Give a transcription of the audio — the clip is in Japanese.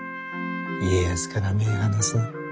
家康から目ぇ離すな。